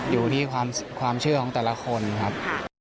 อยู่ที่ความเชื่อของแต่ละคนครับ